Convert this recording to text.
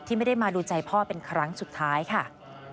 ไม่ได้มาดูใจพ่อเป็นครั้งสุดท้ายค่ะ